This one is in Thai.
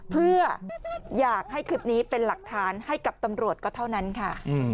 เพื่ออยากให้คลิปนี้เป็นหลักฐานให้กับตำรวจก็เท่านั้นค่ะ